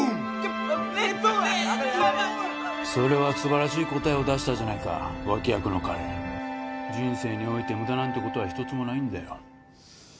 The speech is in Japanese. それは素晴らしい答えを出したじゃないか脇役の彼人生において無駄なんてことは一つもないんだよ